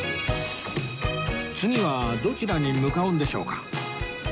次はどちらに向かうんでしょうか？